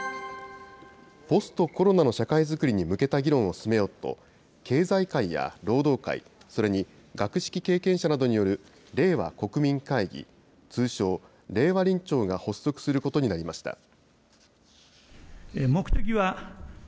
ポストコロナの社会づくりに向けた議論を進めようと、経済界や労働界、それに学識経験者などによる令和国民会議、通称令和臨調が発足することになりました。